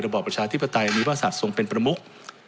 บอบประชาธิปไตยมีพระศัตว์ทรงเป็นประมุก